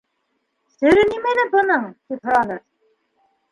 Сере нимәлә бының? - тип һораны.